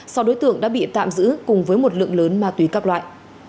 sau đối tượng đã bị tạm giữ cùng với một lượng lớn ma túy các loại